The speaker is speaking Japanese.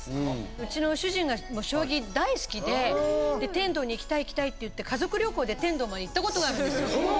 うちの主人が将棋大好きで天童に行きたい行きたいって言って家族旅行で天童まで行ったことがあるんですよ。